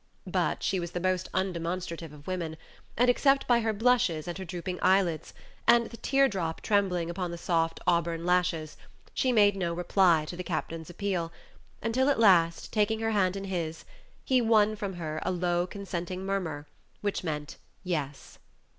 But she was the most undemonstrative of women, and, except by her blushes, and her drooping eyelids, and the teardrop trembling upon the soft auburn lashes, she made no reply to the captain's appeal, until at last, taking her hand in his, he won from her a low consenting murmur, which meant Yes.